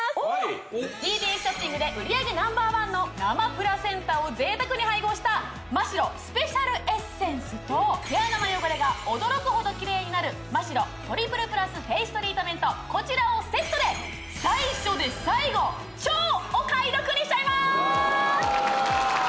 ＴＢＳショッピングで売り上げＮｏ．１の生プラセンタを贅沢に配合したマ・シロスペシャルエッセンスと毛穴の汚れが驚くほどキレイになるこちらをセットで最初で最後超お買い得にしちゃいます